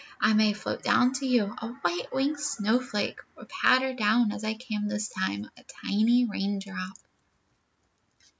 I may float down to you, a white winged snowflake, or patter down as I came this time, a tiny raindrop."